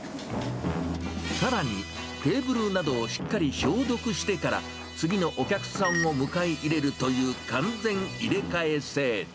さらに、テーブルなどをしっかり消毒してから、次のお客さんを迎え入れるという完全入れ替え制。